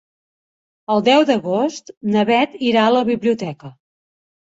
El deu d'agost na Bet irà a la biblioteca.